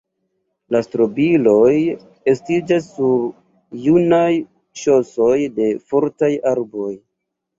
La strobiloj estiĝas sur junaj ŝosoj de fortaj arboj.